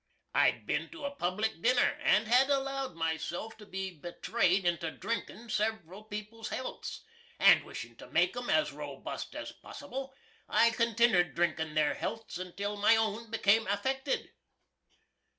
I'd bin to a public dinner, and had allowed myself to be betrayed into drinkin' several people's healths; and wishin' to make 'em as robust as possible, I continnerd drinkin' their healths until my own became affected.